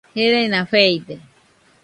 Gereina feide